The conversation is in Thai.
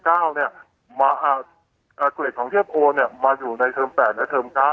เกรดของเทียบโอนมาอยู่ในเทิม๘และเทิม๙